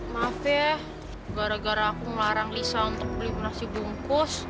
maaf ya gara gara aku melarang lisa untuk beli nasi bungkus